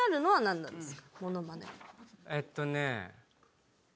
えっとね。